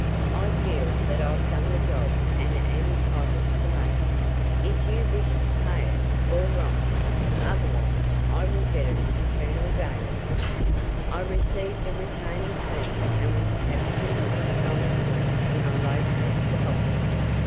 I feel that I've done the job and am entitled to the money. If you wish to pay it, all right; otherwise I get it from Colonel Gaylord. I received a retaining fee and was to have two hundred dollars more when I located the bonds.